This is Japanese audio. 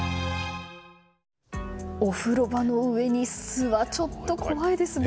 お風呂場の上に巣はちょっと怖いですね。